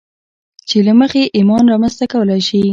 چې له مخې يې ايمان رامنځته کولای شئ.